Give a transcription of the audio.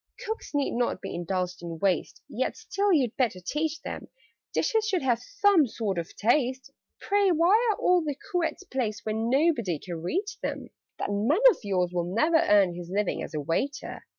"Cooks need not be indulged in waste; Yet still you'd better teach them Dishes should have some sort of taste. Pray, why are all the cruets placed Where nobody can reach them? "That man of yours will never earn His living as a waiter!